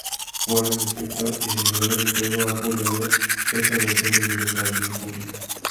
Warren Spector, diseñador del juego, ha apoyado esta versión en sus declaraciones públicas.